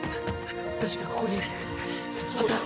確かここにあった！